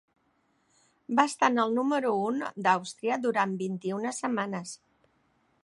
Va estar en el número un d'Àustria durant vint-i-una setmanes.